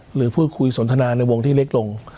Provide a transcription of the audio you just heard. หรือพูดคุยสนทนาในวงที่เล็กลง